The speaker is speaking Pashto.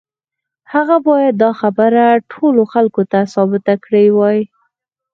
هغه بايد دا خبره ټولو خلکو ته ثابته کړې وای.